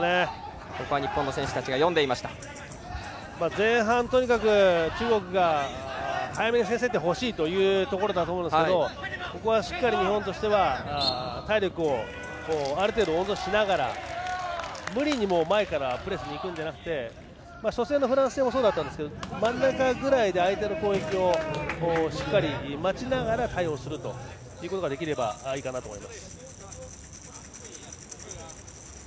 前半、とにかく中国が早めに先制点を欲しいというところだと思うんですけどここはしっかり日本としては体力をある程度温存しながら、無理に前からプレスにいくんじゃなくて初戦のフランス戦もそうだったんですが真ん中ぐらいで相手の攻撃をしっかり待ちながら対応するということができればいいかなと思います。